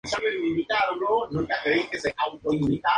El matrimonio tuvo dos hijas: Elisa e Eugenia.